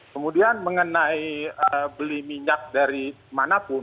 kemudian mengenai beli minyak dari manapun